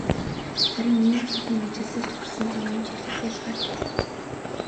Харин ийм цолын ижилсэлд хүрсэн замын чиглэл ялгаатай.